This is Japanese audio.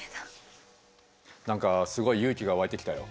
何かすごい勇気が湧いてきたよ。